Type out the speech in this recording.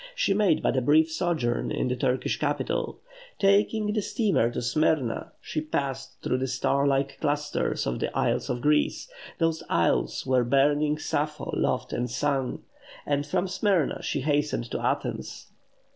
She made but a brief sojourn in the Turkish capital. Taking the steamer to Smyrna, she passed through the star like clusters of the isles of Greece those isles "where burning Sappho loved and sung;" and from Smyrna she hastened to Athens.